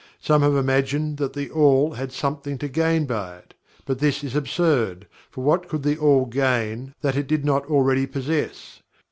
Some have imagined that THE ALL had something to gain by it, but this is absurd, for what could THE ALL gain that it did not already possess?